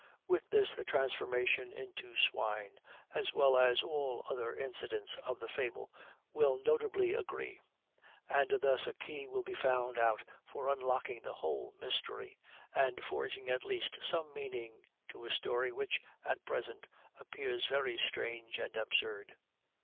With this the transformation into swine, as well as all other incidents of the fable, will notably agree; and thus a key will be found out for unlocking the whole mystery, and forging at least some meaning to a story which, at present, appears very strange and absurd.